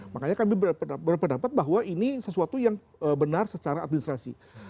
makanya kami berpendapat bahwa ini sesuatu yang benar secara administrasi